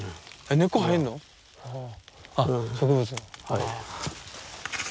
はい。